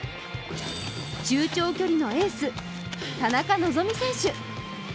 中長距離のエース・田中希実選手。